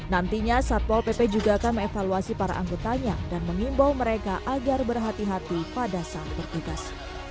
nantinya satpol pp juga akan mengevaluasi para anggotanya dan mengimbau mereka agar berhati hati pada saat bertugas